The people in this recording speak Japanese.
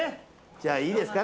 じゃあいいですか？